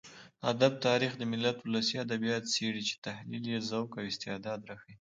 ادب تاريخ د ملت ولسي ادبيات څېړي چې تحليل يې ذوق او استعداد راښيي.